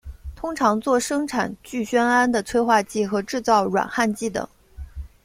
通常作生产聚酰胺的催化剂和制造软焊剂等。